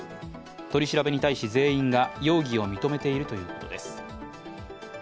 取り調べに対し、全員が容疑を認めているということです。